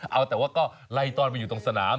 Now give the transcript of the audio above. เอาแต่ว่าก็ไล่ต้อนไปอยู่ตรงสนาม